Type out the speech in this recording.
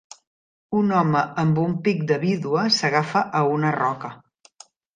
Un home amb un pic de vídua s'agafa a una roca.